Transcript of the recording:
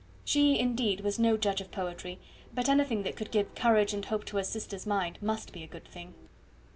She, indeed, was no judge of poetry, but anything that could give courage and hope to her sister's mind must be a good thing.